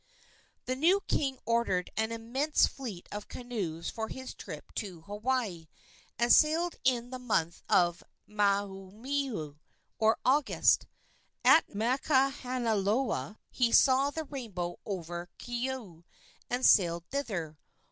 The new king ordered an immense fleet of canoes for his trip to Hawaii, and sailed in the month of Mahoemua, or August. At Makahanaloa he saw the rainbow over Keaau, and sailed thither.